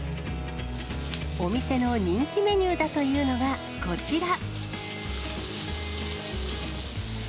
お店の人気メニューだというのが、こちら。